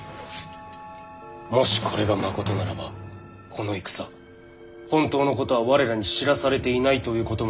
もしこれがまことならばこの戦本当のことは我らに知らされていないということもあろうかと。